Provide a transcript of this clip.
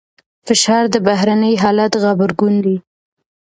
فشار د بهرني حالت غبرګون دی.